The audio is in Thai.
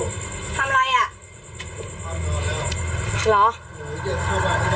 กูเติมแล้วนะเว้ยกูมีความคิดของของตัวเอง